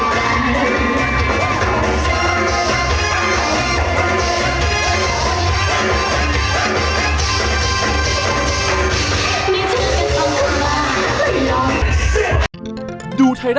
มันรอนิจกรรมในใจ